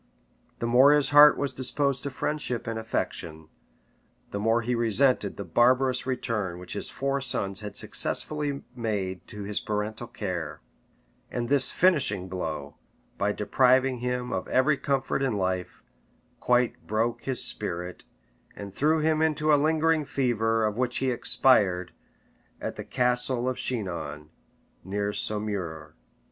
The more his heart was disposed to friendship and affection, the more he resented the barbarous return which his four sons had successively made to his parental care; and this finishing blow, by depriving him of every comfort in life, quite broke his spirit, and threw him into a lingering fever, of which he expired, at the castle of Chinon, near Saumur.